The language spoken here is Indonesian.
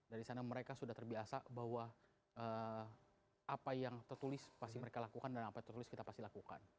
dari sana mereka sudah terbiasa bahwa apa yang tertulis pasti mereka lakukan dan apa yang tertulis kita pasti lakukan